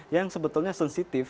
yang sebetulnya sensitif